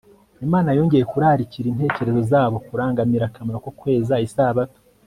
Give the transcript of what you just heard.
Imana yongeye kurarikira intekerezo zabo kurangamira akamaro ko kweza Isabato